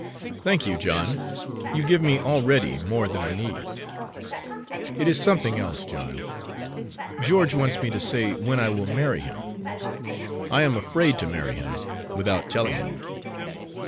"Thank you, John. You give me already more than I need. It is something else, John. George wants me to say when I will marry him. I am afraid to marry him, without telling him.